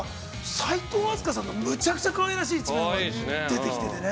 齋藤飛鳥さんのむちゃくちゃかわいらしい一面も出てきてね。